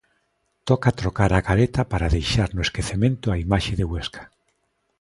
Toca trocar a careta para deixar no esquecemento a imaxe de Huesca.